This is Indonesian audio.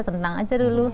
tenang aja dulu